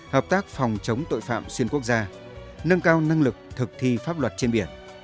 hợp tác phòng chống tội phạm xuyên quốc gia nâng cao năng lực thực thi pháp luật trên biển